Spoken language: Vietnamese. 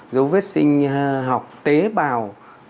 dấu vết sinh học tế bào